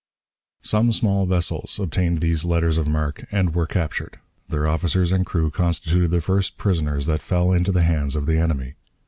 Some small vessels obtained these letters of marque and were captured. Their officers and crew constituted the first prisoners that fell into the hands of the enemy.